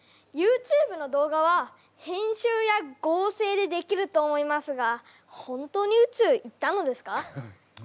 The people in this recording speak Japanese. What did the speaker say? ＹｏｕＴｕｂｅの動画は編集や合成でできると思いますが本当に宇宙行ったのですか？